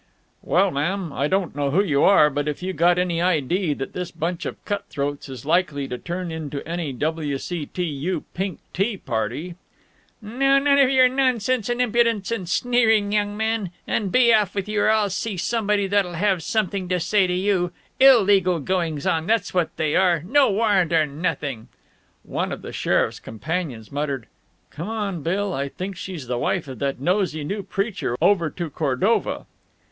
"Well, ma'am, I don't know who you are, but if you got any idee that this bunch of cut throats is likely to turn into any W. C. T. U. pink tea party " "Now none of your nonsense and impudence and sneering, young man, and be off with you, or I'll see somebody that'll have something to say to you. Illegal goings on, that's what they are; no warrant or nothing." One of the sheriff's companions muttered: "Come on, Bill. I think she's the wife of that nosey new preacher over to Cordova."